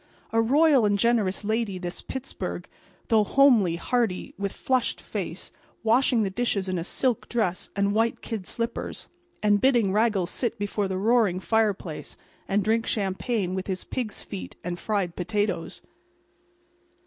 A royal and generous lady this Pittsburg, though—homely, hearty, with flushed face, washing the dishes in a silk dress and white kid slippers, and bidding Raggles sit before the roaring fireplace and drink champagne with his pigs' feet and fried potatoes.